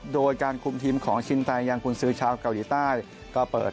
โดยการคลุมทีมของชินไตยังคูณซื้อชาวเกาหลีใต้